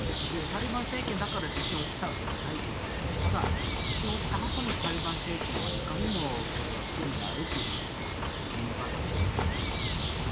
タリバン政権だから地震が起きたわけじゃないですのでただ、地震が起きたあとにタリバン政権はいかにもこれは不利であるということを物語っていると思いますね。